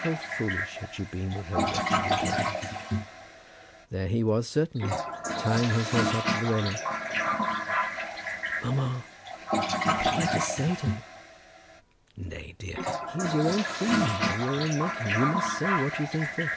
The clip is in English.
How foolish had she been with her wretched impatience! There he was certainly, tying his horse up to the railing. "Mamma, what am I to say to him?" "Nay, dear; he is your own friend, of your own making. You must say what you think fit."